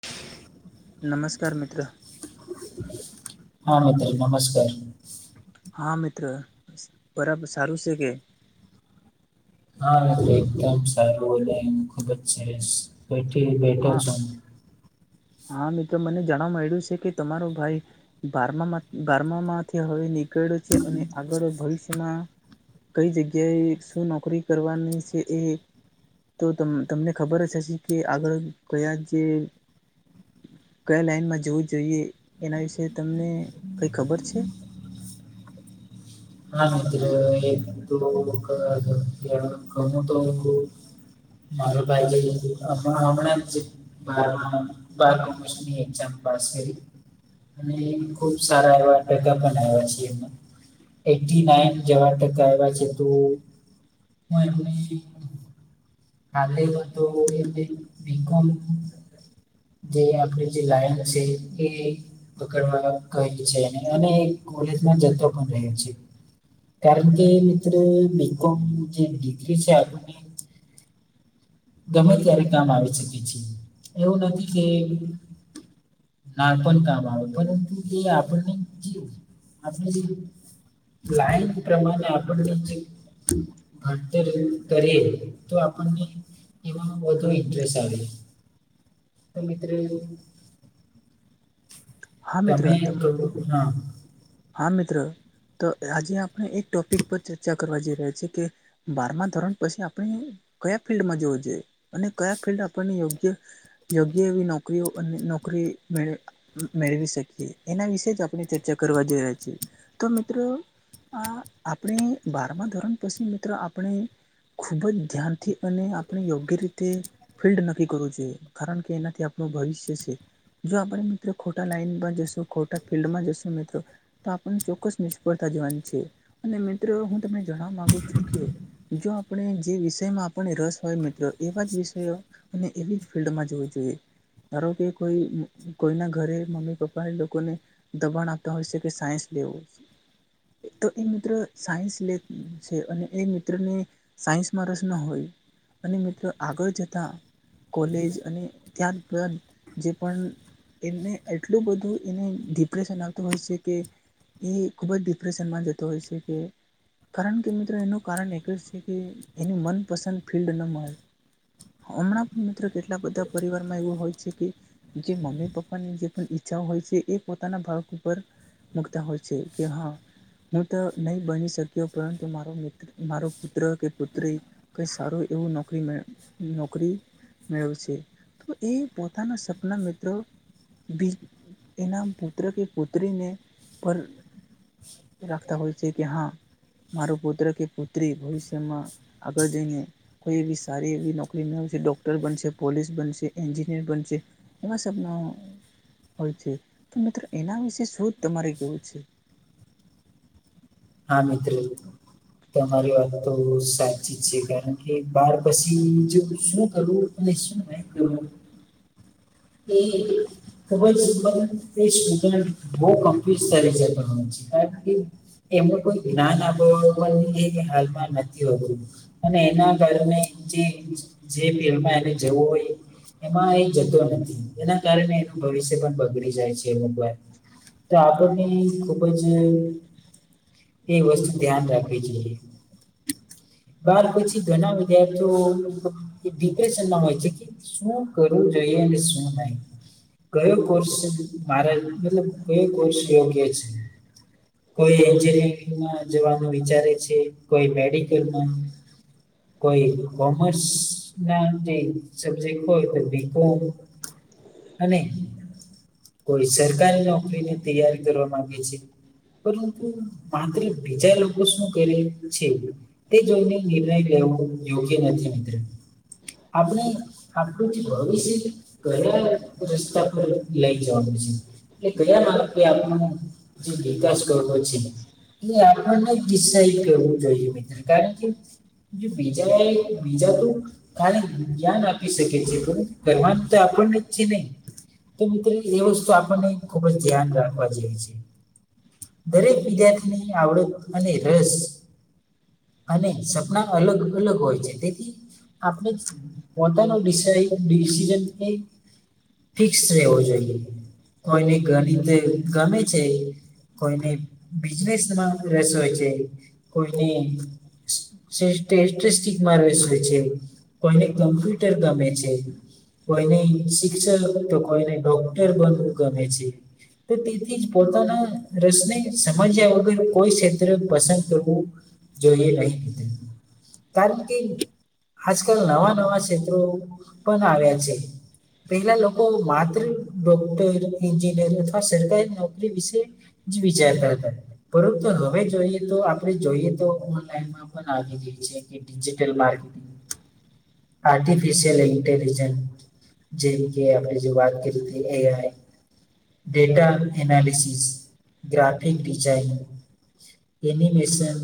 [inaudible] નમસ્કાર મિત્ર હા મિત્ર નમસ્કાર. હા મિત્ર બરાબર સારું છે કે હા એકદમ સારું બે હ ખુબ જ સરસઠી બેઠો હા છ હા મિત્રો મને જાણવા મળ્યું છે કે તમારો ભાઈ બારમામાં બારમામાંથી હવે નીકળ્યો છે અને આગળ ભવિષ્યમાં કઈ જગ્યાએ શું નોકરી કરવાની છે એ. તો તમ તમને ખબર હશે હશે કે આગળ કયા જે કયા લાઈનમાં જોવું જોઈએ એના વિશે તમને કઈ ખબર છે. હા મિત્ર એ તો [inaudible] મારો ભાઈ છે એ હમણા હમણાં જ બારમાં બારમાં ધોરણની એક્ઝામ પાસ કરી અને ખુબ સારા એવા ટકા પણ આવ્યા છે એ એન્ટી નાઇન જેવા ટકા આયવા છે હુ એનુ હાલે એનુ તો એ બીકોમ જે આપણી જે લાઈન હશે એ પકડવા છે અને કોલેજમાં જતો પણ રહે છે. કારણ કે મિત્ર બી કોમ જે ડિગ્રી છે આપ ગમે ત્યારે કામ આવી શકે છે એવું નથી કે ના પણ કામ આવે પરંતુ એ આપણને આપણે જે લાઈન પ્રમાણે આપણને જે ભારતી કરેલ તો આપણ એમાં વધુ ઇન્ટરેસ્ટ આવે તો મિત્રો હા મિત્ર તમે [inaudible] તમ હા મિત્રો તો આજે આપણે એક ટોપિક પર ચર્ચા કરવા જઈ રહ્યા છીએ કે બારમા ધોરણ પછી આપણે કયા ફિલ્ડમાં જોવું જોઈએ અને કયા ફિલ્ડ આપણને યોગ્ય યોગ્ય બી નોકરીઓ નોકરી મે મેળવી શકીએ એના વિશે જ આપણે ચર્ચા કરવા જોઈ રહ્યા છીએ તો મિત્રો આ આપણે બારમા ધોરણ પછી મિત્રો આપણે ખૂબ જ ધ્યાનથી અને આપણે યોગ્ય રીતે ફિલ્ડ નક્કી કરવું જોઈએ કારણ કે એનાથી આપણું ભવિષ્ય છે. જો આપણે મિત્રો ખોટા લાઈનમાં જશું ખોટા ફિલ્ડમાં જશું મ્ર તો આપણને ચોક્કસ નિષ્ફળતા જવાની છે. અને મિત્રો હું તમને જણવા માગુ છું કે જો આપણે જે વિષયમાં આપણને રસ હોય મિત્રો એવા જ વિષયો અને એવી જ ફિલ્ડમાં જોવું જોઈએ. ધારો કે કોઈ કોઈના ઘરે મમ્મી પપ્પા એ લોકોને દબાણ આપ તા હોય છે કે સાઇન્સ લેવું. તો એ મિત્ર સાયન્સ લે છે અને એ મિત્રને સાયન્સમાં રસ ન હોય અને મિત્રો આગળ જતા. કોલેજ અને ત્યાર જે પણ એને એટલું બધું એને ડિપ્રેશન આપ હોય છે કે એ ખૂબ જ ડિપ્રેશનમાં જતો હોય છે કે કારણ કે મિત્રો એનું કારણ એક જ છે કે એની મનપસંદ ફિલ્ડ ન મળે. હમણાં પણ મિત્ર કેટલા બધા પરિવારમાં એવું હોય છે કે જે મમ્મી પપ્પાની જે પણ ઈચ્છાઓ હોય છે એ પોતાના ભાવ પર મુકતા હોય છે કે હા હું તો નહી બની શક્યો પરંતુ મારો મારો પુત્ર કે પુત્રી કઈ સારું એવું નોકરી મે નોકરી મેળવ છે તો એ પોતાના સપના મિત્રો બી એના પુત્ર કે પુત્રીને પર રાખતા હોય છે કે હા મારો પુત્ર કે પુત્રી ભવિષ્યમાં આગળ જઈને કોઈ એવી સારી એવી નોકરી મેશે ડોક્ટર બનશે પોલીસ બનશે એન્જિનિયર બનશે. એવા સપના હોય છે તો મિત્રો એના વિશે શું તમારે કેવું છે. હા મિત્ર તમારી વાત તો સાચી જ છે કારણ કે બાર પછી શું કરું. શું નહીં કરવું. એ ખુબ [unintelligible] બહું કમફ્યુઝ તરીકે પણ હોય છે કારણ કે એમનું કોઈ જ્ઞાન આપ હાલમાં નથી હોતું. અને એના કારણે જે ફિલ્ડમાં એને જવું હોય એમાં એ જતો નથી એના કારણે એનું ભવિષ્ય પણ બગડી જાય છે અમુક વાર. તો આગડની ખૂબ જ એ વસ્તુ ધ્યાન રાખવી જોઈએ. બાર પછી ઘણા વિદ્યાર્થીઓ ડિપ્રેશન માં હોય છે કે શું કરવું જોઈએ અને શું નહી. કયો કોર્સ મારા મતલબ કયો કોર્સ યોગ્ય છે. કોઈ એન્જિનિયરિંગમાં જવાનું વિચારે છે કોઈ મેડિકલમાં કોઈ કોમર્સ ના જે સબજેક્ટ હોય તો બી. કોમ અને કોઈ સરકારી નોકરીની તૈયારી કરવા માંગે છે. પરંતુ માત્ર બીજા લોકો શું કરે છે. તે જોઈને નિર્ણય લેવો યોગ્ય નથી મિત્ર. આપણે આપડું જે ભવિષ્ય કયા રસ્તા પર લઈ જવાનું છે એ કયા માર્ગ આપણું જે વિકાસ કર છે એ આપણને કિસ્સા એ કરવું જોઈએ મિત્ર કારણ કે બીજા બીજા તો ખાલી જ્ઞાન આપી શકે છે કરવાનું તો આપણને છે ને. તો મિત્રો એ વસ્તુ આપણને ખુબ જ ધ્યાન રાખવા જેવી છે. દરેક વિદ્યાર્થીની આવડત અને રસ અને સપના અલગ અલગ હોય છે તેથી આપણે પોતાને વિષય ડિસિશન ફિક્સ રહેેવો જોઈએ કોઈને ગણિત ગમે છે. કોઈને બિઝનેસમાં રસ હોય છે. કોઈને [unintelligible] કોઈને કમ્પ્યુટર ગમે છે. કોઈ ને શિક્ષક, તો કોઈ ને ડોક્ટર બનવું ગમે છે. તો તેથી જ પોતાના રસને સમજ્યા વગર કોઈ ક્ષેત્ર પસંદ કરવું જોઈએ નહીં મિત્ર. કારણ કે આજકાલ નવા નવા ક્ષેત્રો પણ આવ્યા છે. પેલા લોકો માત્ર ડોક્ટર એન્જિનિયર અથવા સરકારી નોકરી વિશે [unintelligible] પરંતુ હવે જોઈએ તો આપડે જોઈએ તો ઓનલાઈનમાં પણ આવી રહી છે કે ડિજિટલ માર્કેટ [inaudible] આર્ટિફિશિયલ ઇન્ટેલીજન્ટ જેમ કે આપણે જે વાત કરી એ A I data analysis, graphic design animation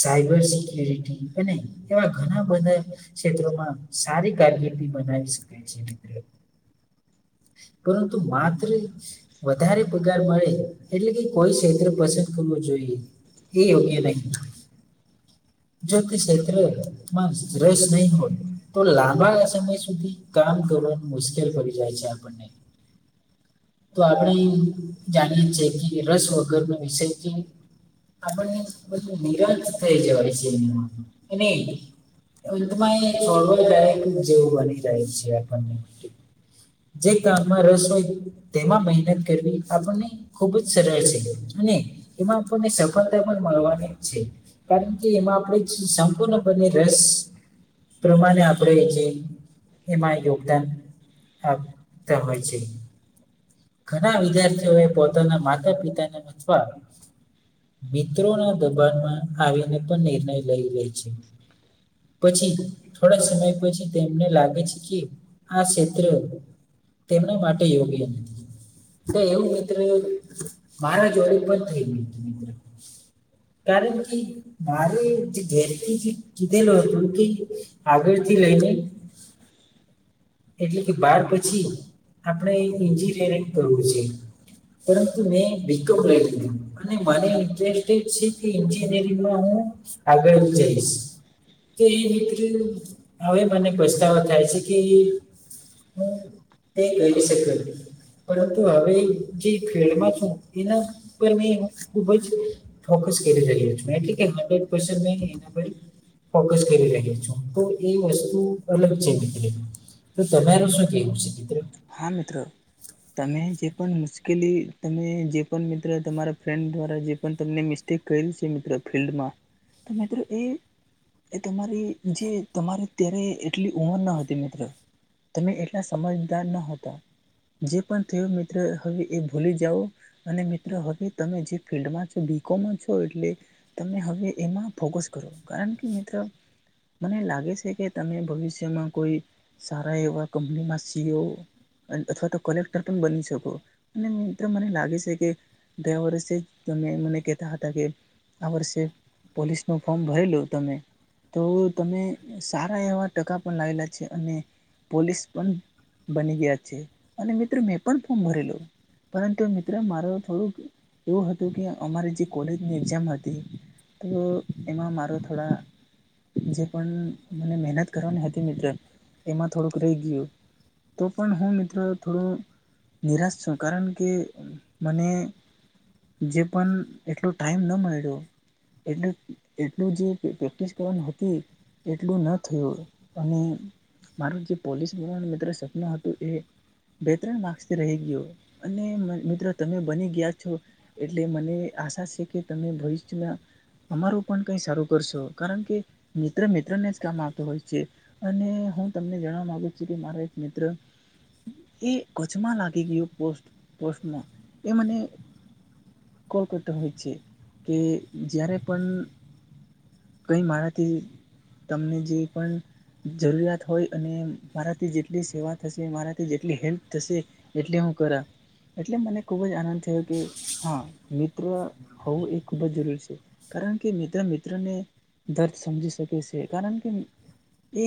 cyber security, અને એવા ઘના બધા ક્ષેત્રોમાં સારી કારકિર્દી બનાવી શકાય છે મિત્ર. પરંતુ માત્ર વધારે પગાર મળે એટલે કે કોઈ ક્ષેત્ર પસંદ કરવું જોઈએ, એ યોગ્ય નહીં. જો તે ક્ષેત્ર રસ નહીં હોય તો લાંબા સમય સુ ધી કામ કરવાનું મુશ્કેલ પડી જાય છે આપણને. તો આપણે જાણીએે છીએ કે રસ વગરનો વિષય તે આપણને બધું નિરછ થઈ જવાય છે [unintelligible] અને અંતમાં એ [unintelligible] જેવું બની જાય છે આપડને. જે કામમાં રસ હોય તેમાં મહેનત કરવી આપણને ખુબ જ સરળ છે, અને એમાં આપણને સફળતા પણ મળવાની છે, કારણ કે એમાં આપણે સંપૂર્ણપણે રસ પ્રમાણે આપણે જે એમાં યોગદાન આપતા હોય છે. ઘના વિદ્યાર્થીઓ એ પોતાના માતા પિતાને [unintelligible] મિત્રોના દબાણમાં આવીને પણ નિર્ણય લઈ લ્યે છે. પછી થોડા સમય પછી તેમને લાગે છે કે આ ક્ષેત્ર તેમના માટે યોગ્ય નથી. તો એવું મિત્ર મારા જોડે પણ થઈ ગયું તું મિત્ર. કારણ કે મારે જે ઘેર થી કીધેલું હતું કે આગળથી લઈને એટલે કે બાર પછી આપણેે એન્જિનિયરિંગ કરવું છે. પરંતુ મેં બી કોમ લઈ લીધું અને મને ઇન્ટરેસ્ટેડ છે કે એન્જિનિયરિંગમાં હું આગળ [unintelligible] કે એની [unintelligible] [unintelligible] હવે મને પસ્તાવો થાય છે કે એ હું તે કરી શકત નહીં પરંતુ હવે જે ફિલ્ડમાં છું, એના પર મે ખુબ જ ફોકસ કરી રહ્યો છું, એટલે કે હન્ડ્રેડ પરસન્ટ એના પર મેં ફોકસ કરી રહ્યો છું, તો એ વસ્તુ અલગ છે મિત્ર. તો તમારું શું કેવું છે મિત્ર? હા મિત્ર. તમે જે પણ મુશ્કેલી, તમે જે પણ મિત્ર તમારા ફ્રેન્ડ દ્વારા જે પણ તમને મિસ તે [unintelligible] છે મિત્ર ફિલ્ડમાં, તો મિત્ર એ એ તમારી જે તમારે અત્યારે એટલી ઉમર ન હતી મિત્ર તમે એટલા સમજદાર ન હતા જે પણ થયું મિત્ર હવે એ ભૂલી જાઓ અને મિત્રો હવે તમે જે ફિલ્ડમાં છો બીકોમમાં છો એટલે તમે હવે એમાં ફોકસ કરો કારણ કે મિત્ર મને લાગે છે કે તમે ભવિષ્યમાં કોઈ સારા એવા કંપની માં [unintelligible] અન અથવા તો કલેક્ટર પણ બની શકો, અને મિત્ર મને લાગે છે કે ગયા વરસે તમે મને કહેતા હતા કે આ વર્ષે પોલીસ નો ફોર્મ ભરી લો તમે તો તમે સારા એવા ટકા પણ લાવેલા છે, અને પોલીસ પણ બની ગયા છે, અને મિત્ર મેં પણ ફોર્મ ભરેલું. પરંતુ મિત્ર માર થોડુંક એવું હતું કે અમારી જે કોલેજની એક્ઝામ હતી. તો એમાં મારો થોડા જે પણ મને મહેનત કરવાની હતી મિત્ર એમાં થોડુંક રહી ગયું. તો પણ હું મિત્રો થોડું નિરાશ છું કારણ કે મને. જે પણ એટલો ટાઈમ ન મળ્યો. એટ એટલું જે પ્રેક્ટિસ કરવાની હતી. એટલું ના થયું અને મારું જે પોલિસી બનાવાનું મિત્ર. ન હતું એ બે ત્રણ માર્ક્સથી રહી ગયો અને મિત્રો તમે બની ગયા છો. એટલે મને આશા છે કે તમે ભવિષ્યમાં અમારું પણ કઈ સારું કરશો કારણ કે મિત્ર મિત્ર ને જ કામ આવતો હોય છે. અને હું તમને જણવા માગુ છું કે મારા એક મિત્ર. એ કચ્છમાં લાગી ગયયો પોસ્ટ પોસ્ટમાં એ મને કોલ કરતા હોય છે કે જ્યારે પણ કંઈ મારાથી તમને જે પણ જરૂરિયાત હોય અને મારાથી જે. એલી સેવા થશે મારાથી જેટલી હેલ્પ થશે એટલી હું કર એટલે મને ખૂબ જ આનંદ થયો કે હા મિત્ર હોવું એ ખૂબ જ જરૂરી છે. કારણ કે મિત્ર મિત્રને દર્દ સમજી શકે છે કારણ કે. એ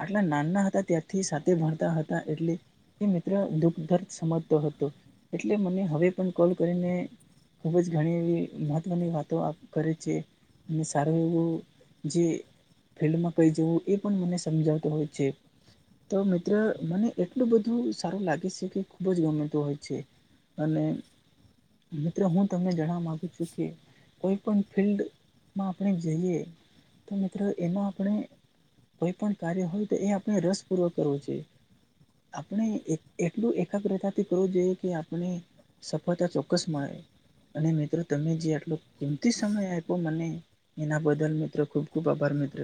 આટલા નાના હતા ત્યાારથી સાથે ભણતા હતા એટલે એ મિત્ર દુઃખ દર્દ સમજતો હતો એટલે મને હવે પણ કોલ કરીને ખૂબ જ ઘણી એવી મહત્વની વાતો આપ કરે છે. સારું જે ફિલ્ડમાં કઈ જવું એ પણ મને સમજાવતો હોય છે. તો મિત્ર મને એટલું બધું સારું લાગે છે કે ખુબ જ ગમેતું હોય છે. અને મિત્રો હું તમને જણવા માગુ છું કે કોઈ પણ ફિલ્ડમાં આપણે જઈએ તો મિત્રો એમાં આપણે કોઈ પણ કાર્ય હોય તો એ આપણે રસપૂર્વક કરવો જે, આપણે એટલું એકાગ્રતાથી કરવું જોઈએ કે આપણે સફળતા ચોક્કસ મળે અને મિત્રો તમે જે આટલો કિંમતી સમય આપો મને એના બદલ મિત્ર ખૂબ ખૂબ આભાર મિત્ર.